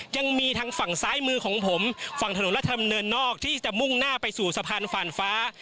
ยังมีทางฝั่งซ้ายมือของผมฝั่งถนนรัฐธรรมเนินนอกที่จะมุ่งหน้าไปสู่สะพานฝ่านฟ้า